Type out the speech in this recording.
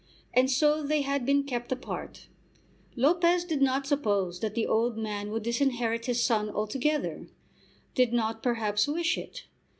And so they had been kept apart. Lopez did not suppose that the old man would disinherit his son altogether, did not, perhaps, wish it.